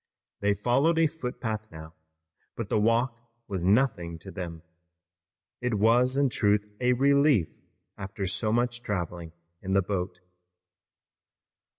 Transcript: They followed a footpath now, but the walk was nothing to them. It was in truth a relief after so much traveling in the boat.